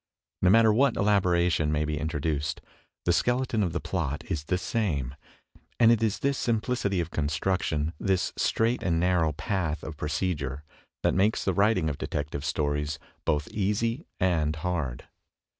No matter what elaboration may be introduced, the skeleton of the plot is the same; and it is this simplicity of construction, this straight and narrow path of procedure, that makes the writing of detective stories both easy and hard.